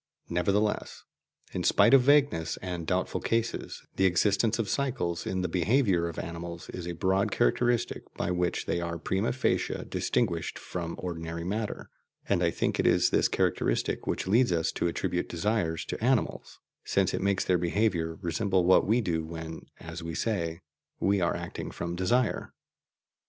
Nevertheless, in spite of vagueness and doubtful cases, the existence of cycles in the behaviour of animals is a broad characteristic by which they are prima facie distinguished from ordinary matter; and I think it is this characteristic which leads us to attribute desires to animals, since it makes their behaviour resemble what we do when (as we say) we are acting from desire.